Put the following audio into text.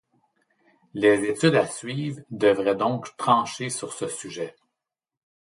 Les études à suivre devraient donc trancher sur ce sujet.